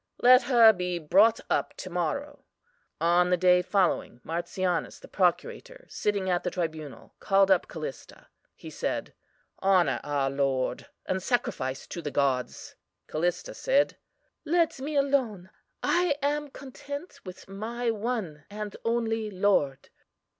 Let her be brought up to morrow. "On the day following, Martianus, the procurator, sitting at the tribunal, called up Callista. He said: Honour our lord, and sacrifice to the gods. "CALLISTA said: Let me alone; I am content with my One and only Lord.